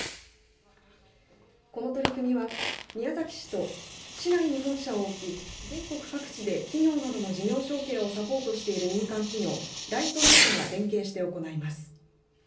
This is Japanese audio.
この取り組みは宮崎市と市内に本社を置き全国各地で企業などの事業承継をサポートしている民間企業ライトライトが連携して行います。